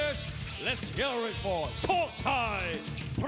ตอนนี้มวยกู้ที่๓ของรายการ